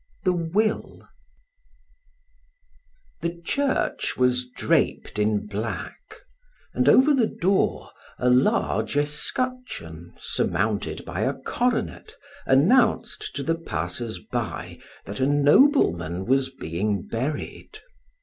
THE WILL The church was draped in black, and over the door a large escutcheon surmounted by a coronet announced to the passers by that a nobleman was being buried.